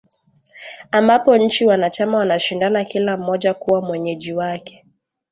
ambapo nchi wanachama wanashindana kila mmoja kuwa mwenyeji wake